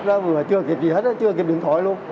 rồi vừa chưa kịp gì hết chưa kịp điện thoại luôn